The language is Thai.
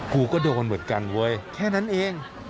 กูก็โดนเหมือนกันเว้ยแค่นั้นเอง